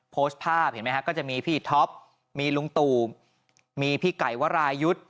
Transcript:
โพสต์ภาพเห็นไหมฮะก็จะมีพี่ท็อปมีลุงตู่มีพี่ไก่วรายุทธ์